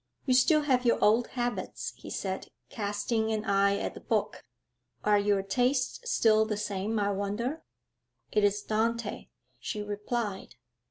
'You still have your old habits,' he said, casting an eye at the book. 'Are your tastes still the same, I wonder?' 'It is Dante,' she replied.